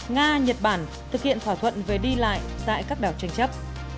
nga nhật bản thực hiện thỏa thuận về đi lại tại các đảo tranh chấp